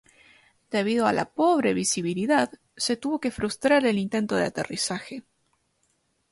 Debido a la pobre visibilidad, se tuvo que frustrar el intento de aterrizaje.